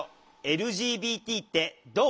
「ＬＧＢＴってどう？」。